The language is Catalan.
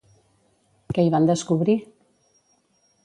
Què hi van descobrir?